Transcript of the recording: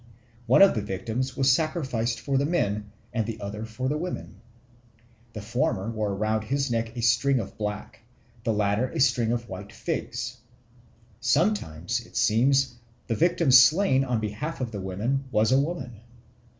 One of the victims was sacrificed for the men and the other for the women. The former wore round his neck a string of black, the latter a string of white figs. Sometimes, it seems, the victim slain on behalf of the women was a woman.